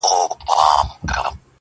د هندوستان و لور ته مه ځه-